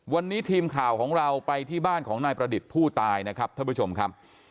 วันนี้ทีมข่าวของเราไปที่บ้านของนายประดิษฐ์ผู้ตายนะครับท่านผู้ชมครับ